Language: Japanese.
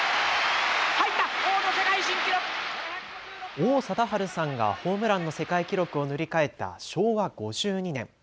王貞治さんがホームランの世界記録を塗り替えた昭和５２年。